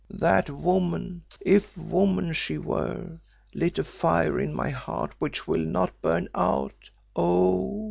That woman, if woman she were, lit a fire in my heart which will not burn out, oh!